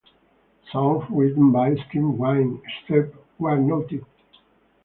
Songs written by Steve Wynn, except where noted.